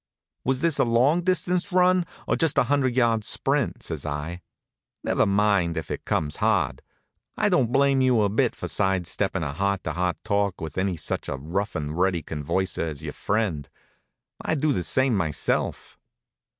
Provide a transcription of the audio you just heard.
"Was this a long distance run, or just a hundred yard sprint?" says I. "Never mind, if it comes hard. I don't blame you a bit for side steppin' a heart to heart talk with any such a rough and ready converser as your friend. I'd do the same myself."